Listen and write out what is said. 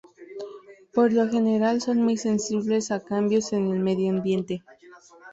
Por lo general son muy sensibles a cambios en el medio ambiente.